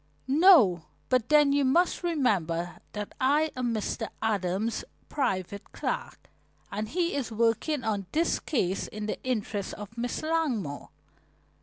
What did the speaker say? "No, but then you must remember that I am Mr. Adams' private clerk, and he is working on this case in the interests of Miss Langmore."